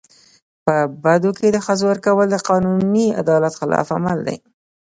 په بدو کي د ښځو ورکول د قانوني عدالت خلاف عمل دی.